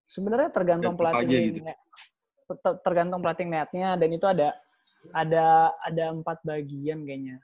sebenarnya tergantung pelatih tergantung pelatih netnya dan itu ada empat bagian kayaknya